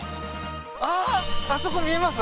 あっあそこ見えます？